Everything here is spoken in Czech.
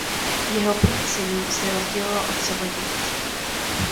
Jeho pět synů si rozdělilo otcovo dědictví.